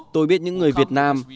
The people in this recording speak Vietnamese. tôi biết những người việt nam